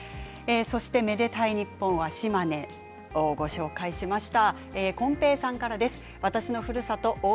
「愛でたいｎｉｐｐｏｎ」は島根をご紹介しました。